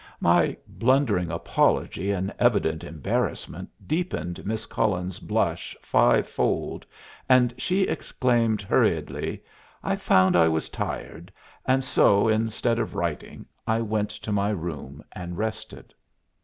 My blundering apology and evident embarrassment deepened Miss Cullen's blush fivefold, and she explained, hurriedly, "I found I was tired, and so, instead of writing, I went to my room and rested."